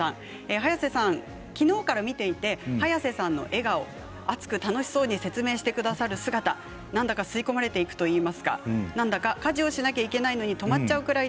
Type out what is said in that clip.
早瀬さん、きのうから見ていて早瀬さんの笑顔熱く楽しそうに説明してくださる姿なんだか吸い込まれていくといいますか家事をしないといけないのに止まっちゃうくらいです。